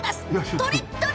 とりっとり！